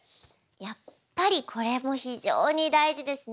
やっぱりこれも非常に大事ですね。